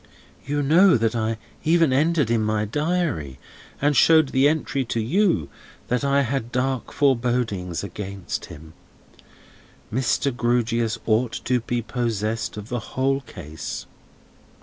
You know that I even entered in my Diary, and showed the entry to you, that I had dark forebodings against him. Mr. Grewgious ought to be possessed of the whole case.